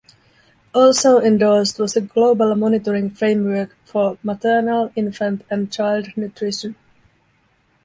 Also endorsed was a global monitoring framework for maternal, infant and child nutrition.